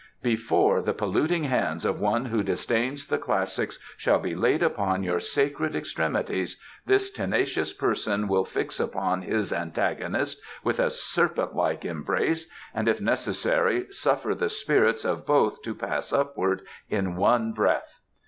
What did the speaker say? "Before the polluting hands of one who disdains the Classics shall be laid upon your sacred extremities this tenacious person will fix upon his antagonist with a serpent like embrace and, if necessary, suffer the spirits of both to Pass Upward in one breath."